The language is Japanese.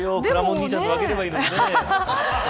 兄ちゃんにあげればいいのにね。